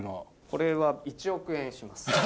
これは１億円します。